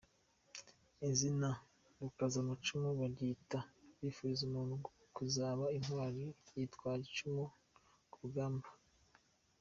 Izina Rukazamacumu baryita bifuriza umuntu kuzaba intwari yitwaje icumu ku rugamba.